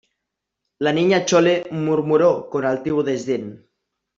la Niña Chole murmuró con altivo desdén: